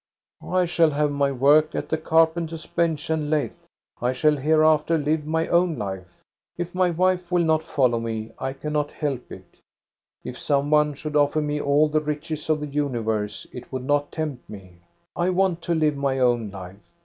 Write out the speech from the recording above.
"" I shall have my work at the carpenter's bench and lathe. I shall hereafter live my own life. If my wife will not follow me, I cannot help it. If some one should offer me all the riches of the universe, it would not tempt me. I want to live my own life.